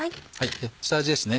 下味ですね